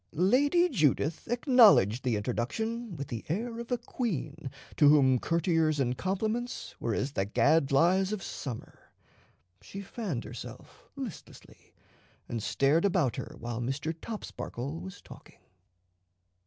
Lady Judith acknowledged the introduction with the air of a queen to whom courtiers and compliments were as the gadflies of summer. She fanned herself listlessly, and stared about her while Mr. Topsparkle was talking.